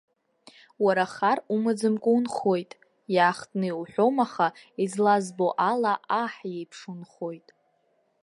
Уара хар умаӡамкәа унхоит, иаахтны иуҳәом аха, излазбо ала, аҳ иеиԥш унхоит.